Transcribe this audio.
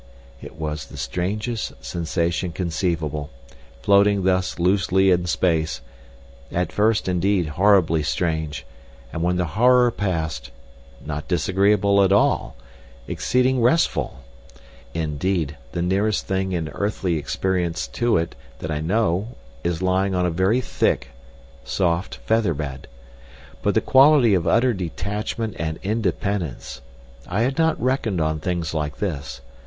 It was the strangest sensation conceivable, floating thus loosely in space, at first indeed horribly strange, and when the horror passed, not disagreeable at all, exceeding restful; indeed, the nearest thing in earthly experience to it that I know is lying on a very thick, soft feather bed. But the quality of utter detachment and independence! I had not reckoned on things like this.